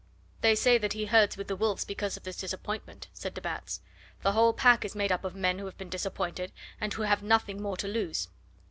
"They say that he herds with the wolves because of this disappointment," said de Batz. "The whole pack is made up of men who have been disappointed, and who have nothing more to lose.